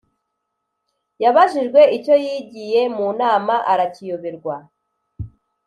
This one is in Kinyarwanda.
Yabajijwe icyo yigiye mu nama arakiyoberwa